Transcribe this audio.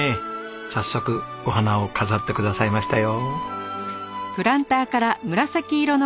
早速お花を飾ってくださいましたよ。